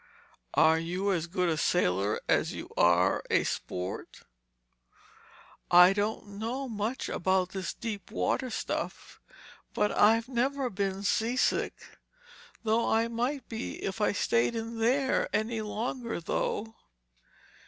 "Are you as good a sailor as you are a sport?" "I don't know much about this deep water stuff, but I've never been seasick. Thought I might be if I stayed in there any longer, though."